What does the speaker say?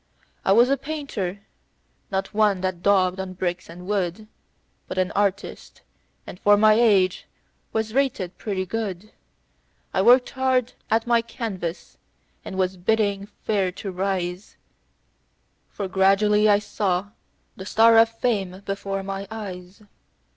"I was a painter not one that daubed on bricks and wood, But an artist, and for my age, was rated pretty good. I worked hard at my canvas, and was bidding fair to rise, For gradually I saw the star of fame before my eyes.